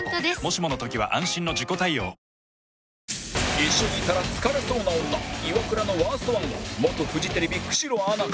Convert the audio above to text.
一緒にいたら疲れそうな女イワクラのワースト１は元フジテレビ久代アナか？